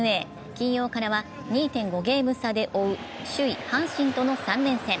金曜からは２．５ゲーム差で追う首位・阪神との３連戦。